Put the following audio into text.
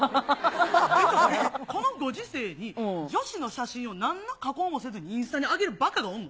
ちょっと待って、このご時世に、女子の写真をなんの加工もせずにインスタに上げるばかがおるの？